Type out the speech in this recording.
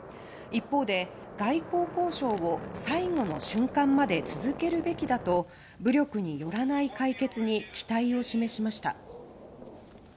一方で、外交交渉を最後の瞬間まで続けるべきだと武力によらない解決に期待を示しました。